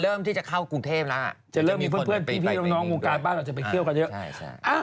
พอเริ่มที่จะเข้ากรูเทพจะเริ่มพี่พี่พี่นะท์พี่พี่แล้วค่ะ